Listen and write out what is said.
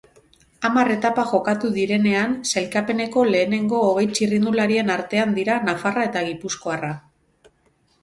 Hamar etapa jokatu direnean sailkapeneko lehenengo hogei txirrindularien artean dira nafarra eta gipuzkoarra.